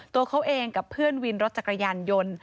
ตัวเขาเองกับเพื่อนวินรถจักรยานยนต์